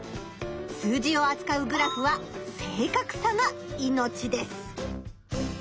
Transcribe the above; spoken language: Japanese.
数字をあつかうグラフは正かくさが命です。